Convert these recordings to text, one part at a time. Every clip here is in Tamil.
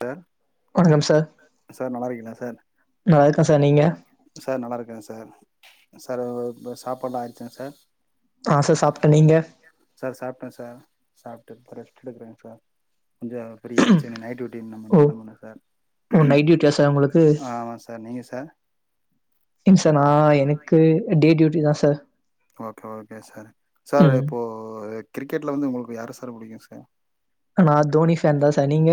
தேர் வணக்கம் சார் சார் நல்லாருக்கீங்ளா சார் நல்லா இருக்கேன் சார் நீங்க சார் நல்லாருக்கே சார் சார் இப்ப சாப்பாட்லா ஆயிருச்சாங் சார் ஆச சாப்ட்ட நீங்க சார் சாப்ட்டே சார் சாப்ட்டு இப்ப ரேஸ்ட்டு எடுக்கிறேங் சார் கொஞ்சோ ஃபிரீ ஆயிர்ச்சு இனி நைட் டியூட்டி நம்ம ஓ இன்னைக் கெளம்பணு சார் ஓ நைட் டியூட்டியா சார் உங்களுக்கு ஆமாச் சார் நீங்க சார் இன் சார் நா எனக்கு டே டியூட்டிதா sir okay okay sir sir ம் இப்போ கிரிக்கெட்ல வந்து உங்குளுக்கு யார சார் புடிக்கு சார் நா தோனி ஃபேன்தா சா நீங்க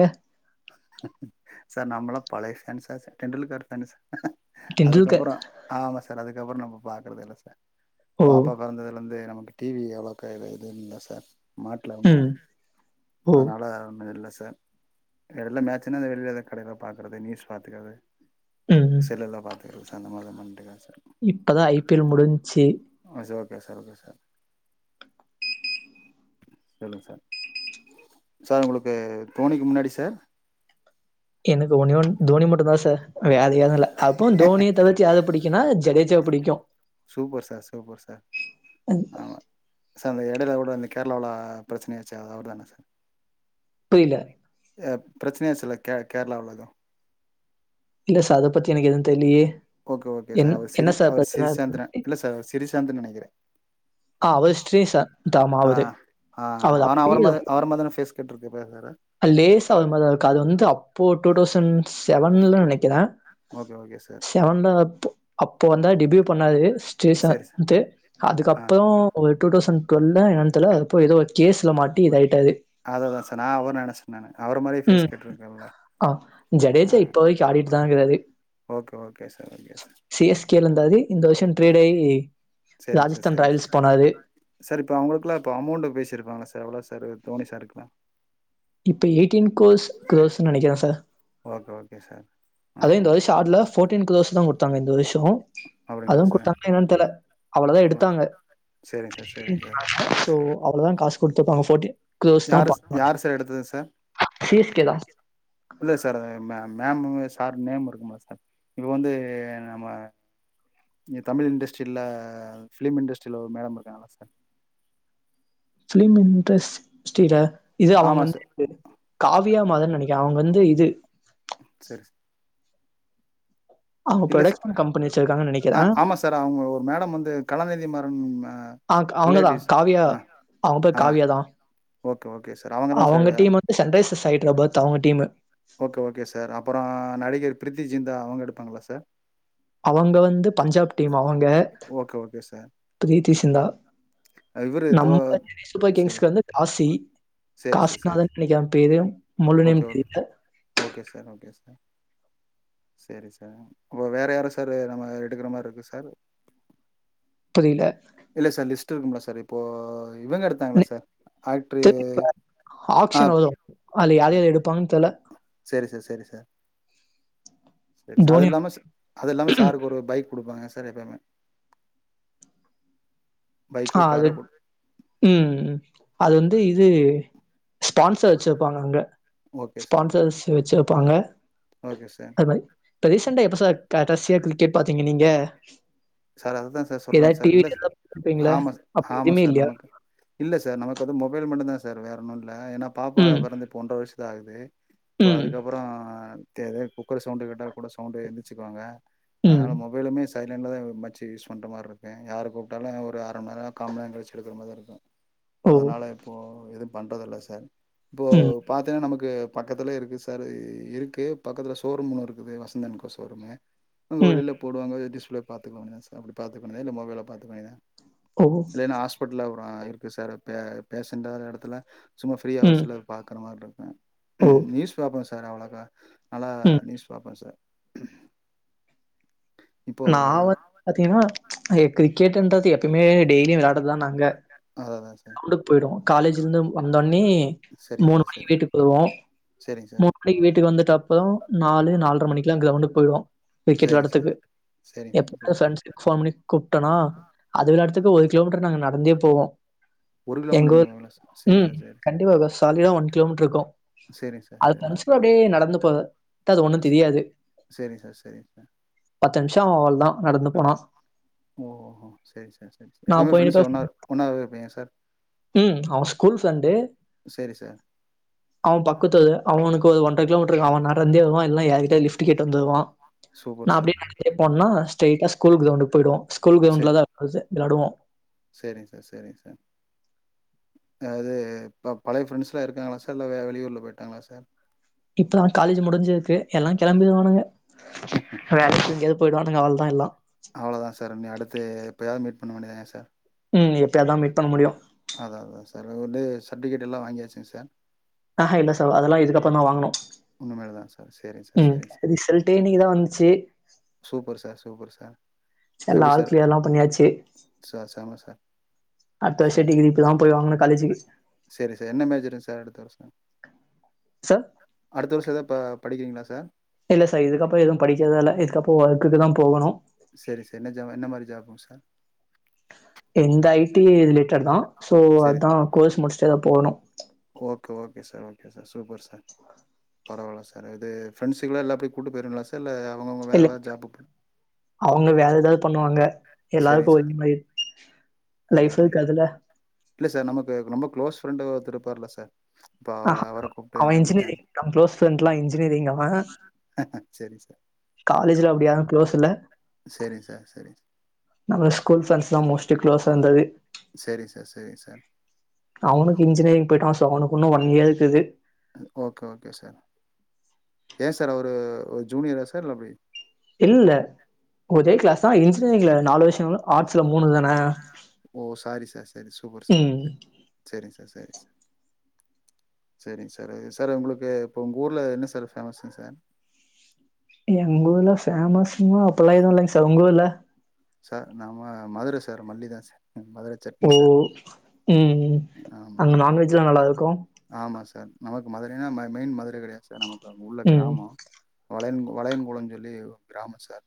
சார் நம்பளா பழைய fan sir Tendulkar fan sir Tendulkar அதுக்கப்றோ ஆமா சார் அதுக்கப்றோ நம்ப பாக்றதே இல்ல சார் ஓ பாப்பா பெறந்ததுலந்தே நமக்கு டி வி அவ்ளாக்கே எது இல்ல சார் மாட்ல உன்னா ம் ஓ அதனால ஒன்னு இல்ல சார் எடைல மேச்சினா நா வெளில எதாக் கடைல பாக்கறது நியூஸ் பாத்துகிறது ம் ம். செல்லுல பாத்துகிறது சா அந்த மாதிரிதா பண்ட்டுகறே சார் இப்பதான் ஐபிஎல் முடிஞ்சுச்சு ஆ சே ஓகே சார் ஓகே சார் சொல்லுங்க சார் சார் உங்குளுக்கு தோணிக்கு முன்னாடி சார் எனுக்கு ஒன்னே ஒன்னு தோனி மட்டுந்தா சார் வேத யாது இல்ல அப்போ தோணியத் தவிர்த்து யாரப் புடிக்குனா ஜடேஜாவ் புடிக்கு சூப்பர் சார் சூப்பர் சார் ம், ஆமா சார் அந்த எடையில கூட அன்னைக் கேரளாவுல பிரச்சனையாச்சே அவருதான சார் புரில ஆ பிரச்சனையாச்சில்ல கே கேரளாவ்ல எதோ இல்ல சார் அத பத்தி எனக்கு எது தெர்லியே ஓகே ஓகே சார் அவர் ஸ்ரீ அவர் ஸ்ரீசாந்தன இல்ல சார் ஸ்ரீசாந்துன் நெனைகிறே ஆ அவர் ஸ்ட்ரீம் சார் தாமா ஆ ஆகுது ஆ ஆ அவர் ஆனா அவர அப்படியே மாரி ரொம்ப அவர மாரிதான ஃபேஸ் கட்ருக்கு [unintelligible] லேசா அது மாரிதா இருக்கு அது வந்து அப்போ டூ தௌசண்ட் செவன்ல நெனைக்குறே ஓகே ஓகே சார் தெவன்டா அப்போ அப்போ வந்தா டிபியூ பண்ணாரு சரி சார் ஸ்டேசாந்த்து ஆ அதுக்கப்பறோ ஒரு டூ டவுசண்ட் டுவெல்ல என்னான் தெர்ல அப்போ எதோ ஒரு கேஸ்ல மாட்டி இதாயிட்டாரு அததா சார் நா அவர்ன் நெனச்ட்டே நானு அவர மாரியே ஃபேஸ் ம். கட்ருக்குல்ல ஆ ஜடேஜா இப்போ வரைக்கு ஆடிட்தா இக்கறாரு okay okay sir okay sir C S கேல இந்தாரு இந்த வர்ஷோ ம் டிரேடாயி சரிங்க சார் ராஜஸ்தான் சரிங்க ராயல்ஸ் சார் போனாரு. சார் இப்போ அவுங்ளுக்லா இப்போ அமோண்ட்டு பேசிருப்பங்க சார் எவ்ளோ சார் தோணி சாருக்லா இப்ப எயிட்டீன் கோர்ஸ் க்ரோஸ்சுன் நெனைக்கிறே சார் ஓகே... ஓகே... சார் ஆ அது ஆ இந்த வருஷ சாட்ல ஃபோர்ட்டின் குரோஸ்தா குட்த்தாங்க இந்த வருஷோ அப்படிங்களா அதுங் சார் குட்த்தாங்னா என்னன் தெர்ல அவ்ளதா ஆ எடுத்தாங்க. சரிங்க சார் சரிங்க சார் சோ... அவ்ளதாங் காச் குடுத்துப்பாங்க ஃபோர்ட்டின் கோஎஸ்தா யாரு பாக்கனுமே யார் சார் எடுத்தது [unintelligible] சிஎஸ்கோ தா இல்ல சார் மே மேமுமே சார் மேமு இருக்கும்ல சார் இப்போ வந்து நம்ம இங்க தமிழ் இண்டஸ்ட்ரியில்லா ஃபிலிம் இண்டஸ்ட்ரியில ஒரு மேடம் இருக்காங்களா சார் ஃபிலிம் இண்டஸ்ட்ரில இது அவங்க ஆமாம் வந்து சார் இது காவியா மாதன்னு நினைக்கே அவங்க வந்து இது செரி சா அவங்க இல்ல ப்ரொடக்ஷன் சார் கம்பெனி வச்சிருக்காங்கன்னு ஆ நினைக்கிறேன் ஆமா சார் அவங்க ஒரு மேடம் வந்து கலாநிதிமாறன் அ ஆ அவங்கதா ரிலேட்டிவ்ஸ் காவியா ஆ அவங்க பேர் ஆ காவியாதா ஓகே ஓகே சார் அவங்க தா சார்ரு சன்ரைசர்சைடுரபத் அவங்க டீமு ஓகே ஓகே சார் அப்பறோ நடிகர் ப்ரீத்தி ஜிந்தா அவங்க எடுப்பாங்களா சார் அவங்க வந்து பஞ்சாப் டீம் அவங்க okay okay sir Preity Zinta இவரு தோ நம்ம சென்னை சூப்பர் சரி கிங்ஸ்கு வந்து காசி சரி சார் சரி காசிநாதன்னு நினைக்குரே அவ பேரு ஓகே முழுநேம் ஓகே தெரியல. ஓகே சார் ஓகே சார் சேரி சார் இப்போ வேறு யாரு சார் நம்ம எடுக்கிற மாரி இருக்கு சார் புரியல இல்ல சார் லிஸ்ட் இருக்கும்ல சார் இப்போ இவங்க எடுத் தங்களா சார் ஆய்ட்டுரு நெக்ஸ்ட் ஆக்ஷன் ஆப் வரும் அதுல யார்யார எடுப்பாங்கன் தெர்ல சேரி சார் சேரி சார் சேரி சார் அது தோனியா இல்லாம அது இல்லாம சாருக்கு ஒரு பைக் கொடுப்பாங்க சார் எப்பயுமே பைக்கோ ஆ காரோ அது குடு ம் அது வந்து இது ஸ்பான்சர் வச்சுருப்பாங்க அங்க ஓகே சார் ஸ்பான்சர்ஸ் வச்சு வெப்பாங்க ஓகே சார் இப்பே ரிசேன்டா எப்ப சார் கடைசியா கிரிக்கெட் பாத்தீங்க நீங்க சார் அததா சார் சொல்றா ஏதாவது சார் டிவில இல்ல சார் ஏதாவது பாத்துருப்பீங்களா? ஆமா சார் அப்ப ஆமா எதுவுமே சார் இல்லையா? நமக்கு இல்ல சார் நமக்கு வந்து மொபைல் மட்டு தா சார் வேற ஒன்னு இல்ல ஏன்னா பாப்பா ம், பிறந்து இப்போ ஒன்ர வயசுதா ஆகுது. இப்போ ம், அதுக்கப்பறோ தே குக்கர் சவுண்டு கேட்டா கூட சவுண்டு எழுந்திச்சிக்குவாங்க ம். அதனால மொபை மொபைலுமே சைலண்ட்ல தா எ மச்சி சொன்ன மாரி இருக்கு யார கூப்ட்டாலு ஒரு அர மண் நேரோ கா மண் நேரோ கழிச்சு எடுக்கிற மாதிரி இருக்கு ஓ! அதனால இப்போ எது பண்றது இல்ல சார் இப்போ ம், பாத்தீங்கனா நமக்கு பக்கத்துல இருக்குது சாரு இருக்கு பக்கத்தில ஷோரூம் ஒன்னு இருக்குது வசந்தன் கோ ஷோரூமு உங்க ம். வெளில போடுவாங்க டிஸ்பளே பாத்துக்கவேன்டிதா சார் அப்டி பாதுக்கவேண்ட்தா இல்ல மொபைல்ல பாத்துக்க வேண்டிதா ஓ! இல்லேன்னா ஹாஸ்பிட்டல்ல ஒரு நா இருப்பே சார் பேசண்ட்டாலாத இடத்துல சும்மா ஃப்ரீய ஒரு ம். சிலருக்கு பாக்குற மாரி இருக்கோ ஓ! நியூஸ் பாப்பே சார் அவ்ளோக்கா நல்ல ம். நியூஸ் பாப்பே சார் இப்போ நா வந்து பாத்தீங்ன்னா கிரிக்கெட்டுன்றது எப்பயுமே டெய்லியு விளயாடுறதா நாங்க அதா அதா சா கிரவுண்டுக்கு போய்டுவோ காலேஜ்ல இருந்து வந்தோட்னே சரிங்க முணு சார் மணிக்கு சரி வீட்டுக்கு போவோ சரிங்க சார் முணு மணிக்கு விட்டுக்கு வந்துட்ட அப்புறோ நாலு நாலரை மணிக்கெல்லா க்ரவுண்டுக்கு போயிடுவோ கிரிக்கெட் சரிங்க விளயாட்துக்கு சார் சரிங்க சார் சரி எப்போனனும் [unintelligible] கூப்பிட்டனா அது விளையாட்டுராதுக்கு ஒரு கிலோமீட்டர் நாங்க நடந்தே போவோ ஒரு எங் கிலோமீட்டர் கோள் நடந்து போவீங்களா சார் சரி ம் சார் சரி கண்டிப்பா பாஸ் கார்ல ஒன் கிலோமீட்டர் இருக்கு சரிங்க சார் சரி அக்சுலே அப்டியே நடந்து போக அது ஒண்ணு தெரியாது செரிங் சார் செரிங்க பத்து நிமிஷ அவல தா நடந்து போனா ஓஹோ சேரி சார் சேரி சார் நான் எப்பவுமே போய் ஃப்ரெண்ட்ஸ் ஒன்னா நிப்பேன். ஒன்னாவே இருப்பீங்களா சார் ம் ஆமா ஸ்கூல் ஃப்ரெண்டு சேரி சார் அவன் பக்கத்து ஊரு அவனுக்கு ஒரு ஒன்றரை கிலோமீட்டருக்கு அவன் நடந்தே வருவான் இல்லனா யாருகிட்டயாது லிஃப்ட் ட்டு கேட்டு வந்துருவான் சூப்பர் நா சார் அப்படியே நடந்தே போனனா ஸ்ட்ரைடா ஸ்கூல் கிரவுண்டுக்கு போய்டுவோ ஸ்கூல் கிரவுண்டில தா இருக்குறது விளாடுவோ சேரிங்க சார் சேரிங்க சார் அதாவது இப்போ பழைய ஃப்ரெண்ட்ஸ்லா இருக்காங்களா சார் இல்லை வே வெளியூரில போய்டாங்களா சார் இப்பதா காலேஜ் முடிஞ்சிருக்கு எல்லா கெளம்பிருவானுங்க வேலைக்கு எங்கயாவது போயிடுவானுங்க அவ்ளதா எல்லா அவ்ளதா சார் இன்னி அடுத்து எப்போயாவது மீட் பண்ண வேண்டியதா சார் ம் எப்பயா தா மீட் பண்ண முடியு அதா அதா சார் வந்து சர்டிஃபிகேட்டல்லா வாங்கியாச்சா சார் ஆஹா இல்ல சார் அதெல்லா இதுக்கப்புறந்தா வாங்கனு இனிமேல் தான் சார் சரிங்க சார் ம் சரிங்க சார் ரிசல்ட் டே இன்னைக்குதா வந்துச்சு சூப்பர் சார் சூப்பர் சார் எல்லா எப்டி ஆல் சார் கிளியர்லா பண்ணியாச்சு சார் செம சார் அடுத்த வருஷ டிகிரி இப்ப தான் போய் வாங்கனு காலேஜுக்கு செரி சார் என்ன மேஜரு சார் அடுத்த வருஷ சார் அடுத்த வருஷ எதா இப்ப படிக்கிறீங்களா சார் இல்ல சார் இதுக்கப்றோ எதுவு படிக்கறதா இல்ல இதுக்கப்பறோ ஒர்க்குக்கு தா போகணு செரி சார் என்ன ஜாப் என்ன மாரி ஜாப்புங்க சார் எந்த ஐடி ரிலேட்டட் தா சோ சரி அதா கோர்ஸ் முடிச்சுட்டு எதாது போகணு okay okay sir okay sir super sir பரவாயில்ல சார் இது ஃப்ரெண்டஸுக்குலா எல்லா அப்டியே கூட்டு போயிடுவிங்களா சார் இல்ல அவங்க வேற இல்ல வேற ஜாப்க்கு அவங்க வேற எதாவது பண்ணுவாங்க எல்லாருக்கு சரிங்க சார் ஒரே மாரி அதா லைஃப் அதா இருக்காதுல இல்ல சார் நமக்கு ரொம்ப க்ளோஸ் ஃப்ரெண்டு ஒருத்தரு இருப்பார்ல சார் இப்போ ஆஹ அவர கூப்ட்டு அவன் அப்டி ஜாயின் இன்ஜினியரிங் தா க்ளோஸ் ஃப்ரெண்ட்லா இன்ஜினியரிங் அவன் செரி சார் காலேஜ்ல அப்டி யாரு க்ளோஸ் இல்ல செரிங்க சார் செரிங்க நம்ம ஸ்கூல் ஃப்ரண்ட்ஸ்லா மோஸ்ட்டு க்ளோசா இருந்தது சேரி சார் சேரி சார் அவனுக்கு இன்ஜினியரிங் போயிட்டா சோ அவனுக்கு இன்னு ஒன் இயர் இருக்குது ஓகே ஓகே சார் ஏன் சார் அவரு ஜூனியரா சார் இல்ல எப்டி இல்லல்ல ஒரே கிளாஸ் தா இன்ஜினியரிங்ல நாலு வர்ஷோ ஆர்ட்ஸ்ல மூணு தானே ஓ சாரி சார் சரி சூப்பர் சார் சேரிங்க சார் சேரிங்க சார் சேரிங்க சார் சார் உங்களுக்கு இப்போ உங்கள் ஊர்ல என்ன சார் ஃபேமஸுங்க சார் எங்க ஊர்ல ஃபேமஸ்னா அப்பல்லா எதுவு இல்லைங்க சார் உங்க ஊர்ல சார் நம்ம மதுரை சார் மல்லி தா சார் மதுரை ஓ ம் ஆமாம் சார் அங்க நான்வெஜ்லா நல்லா இருக்கு ஆமா சார் நமக்கு மதுரைனா ம மெயின் மதுரை கிடையாது சார் நமக்கு உள்ள ம் கிராமோ வளையங்கு வளையங்குளோன் சொல்லி ஒரு கிராம சார்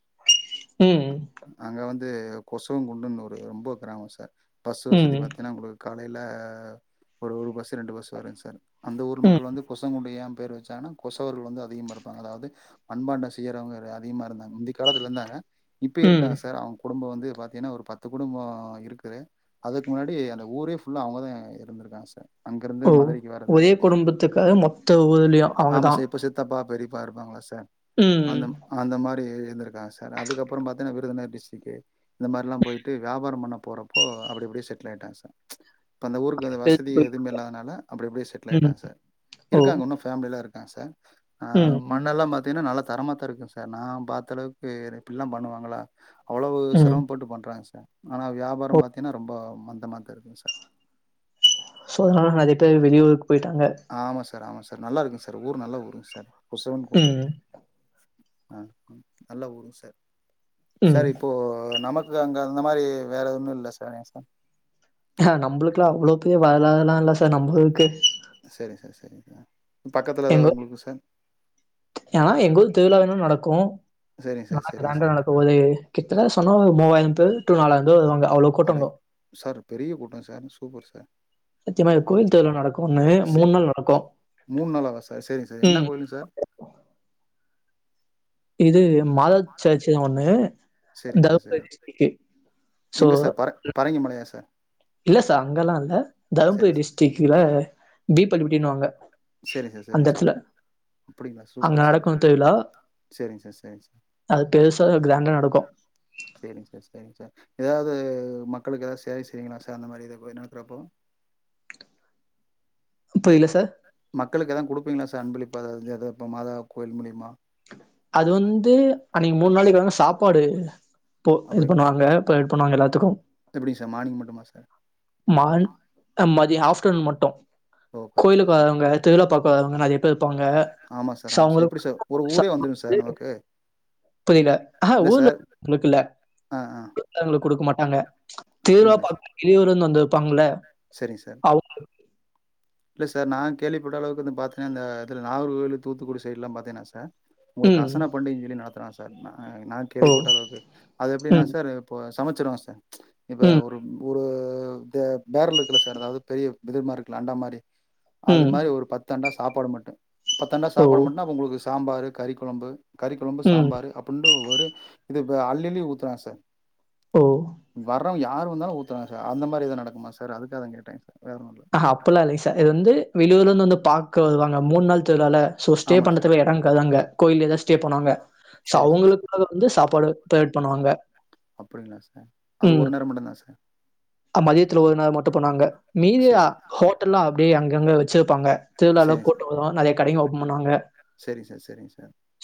ம் அங்க வந்து கொசுவங்குண்டுன்னு ஒரு ரொம்ப கிராமோ சர் பஸ்சு வசதி ம் பாத்தீன்னா உங்களுக் காலைல ஒரு ஒரு பஸ்சு ரெண்டு பஸ்சு வருங்க சர் அந்த ஊர் ம் மக்கள் வந்து கொசங்குண்டு ஏ பேர் வச்சாங்ன்னா கொசவர்கள் வந்து அதிகமா இருப்பாங்க அதாவது மண்பாண்ட செய்யறவங்க அதிகமா இருந்தாங்க முந்தி காலத்துல இருந்தாங்க இப்பயு ம் இருக்காங்க சர் அவங்க குடும்போ வந்து பாத்தீங்னா ஒரு பத்து குடும்போ இருக்குது அதுக்கு முன்னாடி அந்த ஊரே ஃபுல்லா அவங்கதா இருந்துருக்காங்க சர் அங்கிருந்து ஓ மதுரைக்கு வரது ஒரே குடும்பத்துக்காக மொத்த ஊர்லயு ஆமா அவங்கதா சர் இப்ப சித்தப்பா பெரிப்பா இருப்பாங்கள சர் ம் ம் அந்த மாரி இருந்திருக்காங்க சர் அதுக்கப்புறோ பாத்தீன்னா விருதுநகர் டிஸ்டிக்கு இந்த மாரில்லா போயின்ட்டு வியாபாரோ பண்ண போறப்போ அப்படிப்படியே செட்டில் ஆய்ட்டாங்க சார் இப்ப அந்த ஊருக் ல வசதி எதுமே இல்லாதனால அப்டிஅப்டியே செட்டில் ம் ஆய்ட்டாங்க சார் ஓ இருக்காங்க இன்னு ஃபேமிலிலா இருக்காங்க சர் ஆ ம் மண்ணெல்லா பாத்தீங்கன்னா நல்லா தரமா தா இருக்கு சார் நா பாத்த அளவுக்கு இப்டிலா பண்ணுவாங்களா அவ்வளவு ம் சிரம பட்டு பண்றாங்க சார் ஆனா ஓ வியாபாரம் பாத்தீனா ரொம்ப மந்தமா தா இருக்குங் சார் சோ அதனால நெறைய பேர் வெளியூருக்கு பேய்டாங்க ஆமா சார் ஆமா சார் நல்லா இருக்குங்க சார் ஊர் நல்ல ஊருங்க சர் கொசவன் குண்டு ம் ஆ ம் நல்ல ஊருங் சார் ம் சார் இப்போ நமக் கு அங்க அந்த மாரி வேற ஒன்னு இல்ல சர் ஏ சார் ஆ நம்ப்ளுக்குலா அவ்வளோ பெரிய வரலாறுலா இல்ல சார் நம்மளுக்கு சேரிங் சர் சேரிங் சார் பக்கத்துல ஏதாது உங்களுக்கு சார் ஏனா எங்க ஊர் திருவிழா வேணா நடக்கு சரிங்க சார் நல்லா சரிங்க க்ரண்டா சார் நடக்கு ஒரு கிட்டத்த சொன்னா மூவாயிரோ பேரு டூ நாலாயிர பேர் வருவாங்க அவ்வளோ அடே சார் பெரிய கூட்டோ சார் சூப்பர் சார் சத்தியமா இது அப் கோயில் திருவிழா நடக்கும்னு சே நாள் நடக்கும். மூணு நாளவா சார் சேரிங்க சார் என்ன ம். கோயிலுங் சர் இது மாதா சர்ச்சு ஒண்ணு சரிங்க சார் தர்மபுரி சரி டிஸ்டிக்கு சோ பரங்கி மலையா சர் இல்ல சர் அங்கல்லா இல்ல தருமபுரி சார் டிஸ்டிக்ல பிபள்ளி பட்டினுவாங்க சேரிங் சர் சேரிங்க சர் அப்டிங்ளா ச அங்க நடக்கு திரு விழா சேரிங்க சர் சேரிங்க சர் அது பெருசா ஒரு க்ரண்டா நடக்கு சேரிங்க சர் சேரிங்க சார் ஏதாவது மக்களுக்கு ஏதாவது சேவை செய்விங்களா சர் அந்த மாரி ஏதா கோயி நடக்கிறப்போ புரில சர் மக்களுக்கு எதான் குடுப்பீங்களா சர் அன்பளிப்பா எதாவது இப்போ மாதா கோவில் மூலியமா அது வந்து அன்னைக்கு மூணு நாளைக்கு வந்து சாப்பாடு போ இது பண்ணுவாங்க ப்ப ஹெல்ப் பண்வாங்க எல்லாத்துக்கு எப்டிங்க சர் மானிங் மட்டுமா சர் மான் மதியோ ஆப்டர்நூன் மட்டு ஓகே ஓகே கோயிலுக்கு சார் வரவங்க திருவிழா பாக்க வரவங்க நெறைய பேர் இருப்பாங்க ஆமா சார் சோ ஆமா சார் அவங்களுக் எப்படி சார் ஒரு ஊரே வந்துரு சர் நமக்கு புரில ஆஹா இல்ல ஊர்ல சார் உள்ளவங்களுக்கு இல்ல ஆ ஆ களுக் குடுக்க மாட்டாங்க திருவிழா பாக்க வெளியூர்ல இருந்து வந்துருப்பாங்கல்ல சேரிங் சர் இல்ல சர் நா கேள்விப்பட்ட அளவுக்கு வந்து பாத்தீன்னா இந்த இதுல நாகர்கோயிலு தூத்துக்குடி சைடுல்லா பாத்தீனா சார் உங்களுக்கு ம். அசன பண்டிகைன்னு சொல்லி நடத்துறா சார் நா ஓ! கேள்விப்பட்ட அளவுக்கு அது எப்டின்னா ம், சார் இப்ப சமைச்சிருவ சார் இப்ப ம், ஒரு ஒரு து பேரலு இருக்குல சார் அதாவது பெரிய இதுமாறி இருக்குல்ல அண்டா மாறி அது ம். மாறி ஒரு பத் தண்டா சாப்பாடு மட்டும் பத்தண்டா ஓ! சாப்பாடு மட்டுன்னா அப்ப உங்களுக்கு சாம்பாரு கறி கொழம்பு கறி கொழம்பு ம். சாம்பாரு அப் கொண்டு போவாரு இது இப்ப அள்ளி அள்ளி ஊத்துறா சார் ஓ வர்றவ யார் வந்தாலு ஊத்துறா சார் அந்த மாறி எதோ நடக்குமா சார் அதுக்காக தா கேட்டங் சார் வேற ஒன்னும் இல்ல அப்பல்லா இல்லைங் சார் இது வந்து வெளி ஊர்ல இருந்து பாக்க வருவாங்க மூன் நாள் திருவிழால்ல சோ ஸ்டே ஆமா சார் பண்துக்கு இடம் இக்காது அங்க கோயில்லயேதா ஸ்டே பண்ணுவாங்க சோ சரி சார் அவங்களுக் கு வந்து சாப்பாடு தயார் பண்ணுவாங்க அப்படிங்களா சார் அது ம். ஒரு நேரம் மட்டுதானா சார் அ மதியத்துல ஒரு நேரம் மட்டும் பண்ணுவாங்க மீதியெல்லா சரி ஹோட்டல்லா அப்டியே அங்கங்க வச்சிருப்பாங்க திருவிழால சரிங்க சார் கூட்டொ வரு நறிய கடைங்க ஒப்பன் பண்ணுவாங்க சரிங்க சார் சரிங்க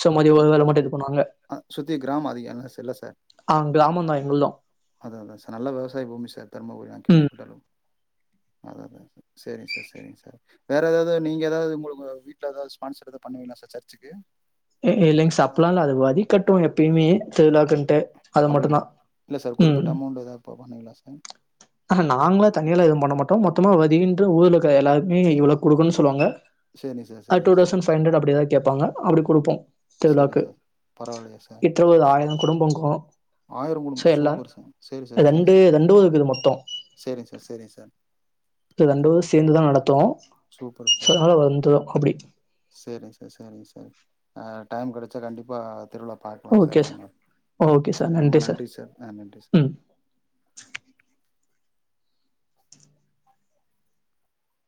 சோ மதியோ ஒரு வேளை மட்டும் இது பண்ணுவாங்க அ சுத்தி கிராமம் அதிகோ என்ன செல்வா சார் ஆ அ தான் கிராமம் எங்கள்தும். அதிகம் அத்தா அத்தா சார் நல்ல வெவசாய பூமி சார் தர்மபுரி நா ம். கேள்விப்பட்ட அளவு அத்தா அத்தா சார் சேரிங் சார் சேரிங் சார் வேற எதாவது நீங்க எதாவது உங்களுக்கு வீட்ல எதாவது ஸ்பான்சர் எதாவது பண்ணுவீங்களா சார் சர்ச்சுக்கு இ இ இல்லைங்க சார் அப்புல்லா இல்ல அது வரி கட்டுவோ எப்பயுமே சோ எல்லார்க்குன்ட்டு அது மட்டுதா ம் போவானுங்ளா சார் ஆனா நாங்ல்லா தனியா எல்லா எதும் பண்ண மாட்டோமம மொத்தமா தீடிர்ன்னு ஊருல இருக்க எல்லாருமே இவனுக்கு குடுக்கணும்ன்னு சொல்லுவாங்க சரிங்க சார் அ டூ சரிங்க சார் தௌசண்ட் ஃபைவ் ஹண்ரட் அப்டி எதாவது கேப்பாங்க அப்டி குடுப்போ சரி சரிங்க ஓகே சார் பரவாயில்லையா சார் இப்ப ஒரு ஆயிரோ குடும்பம் இக்கோ ஆயிரம் குடும்பம் சூப்பர் சார் சேரி சார் சேரி சார் ஊர் இருக்குது மொத்தம். சேரிங் சார் சேரிங் சார் து ரெண்டு பேரும் சேந்துதா நடத்துவோ சூப்பரு சார் சேரிங் சார் சேரிங் சார் டைம் கிடைச்சா கண்டிப்பாக திருவிழா பாக்கலா சார் அப்புறமா ரொம்ப நன்றி சார் அ நன்றி சார் ம்.